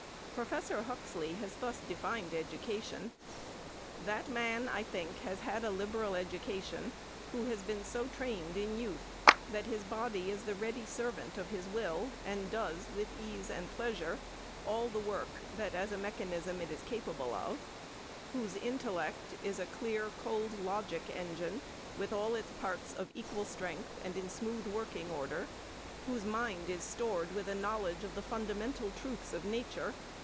Professor Huxley has thus defined education: "That man I think has had a liberal education who has been so trained in youth that his body is the ready servant of his will and does with ease and pleasure all the work that as a mechanism it is capable of, whose intellect is a clear, cold logic engine with all its parts of equal strength and in smooth working order ... whose mind is stored with a knowledge of the fundamental truths of nature